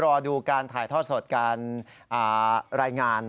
รอดูการถ่ายทอดสดการรายงาน